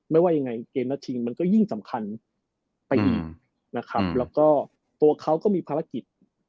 ว่ายังไงเกมนัดชิงมันก็ยิ่งสำคัญไปอีกนะครับแล้วก็ตัวเขาก็มีภารกิจ